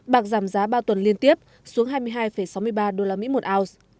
bạc giảm giá ba tuần liên tiếp xuống hai mươi hai sáu mươi ba usd một ounce